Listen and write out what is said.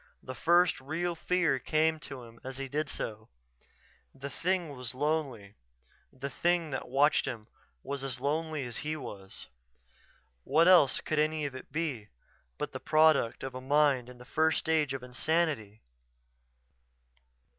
The first real fear came to him as he did so. The thing was lonely the thing that watched him was as lonely as he was.... What else could any of it be but the product of a mind in the first stage of insanity?